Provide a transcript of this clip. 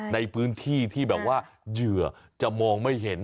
ในพื้นที่ที่แบบว่าเหยื่อจะมองไม่เห็น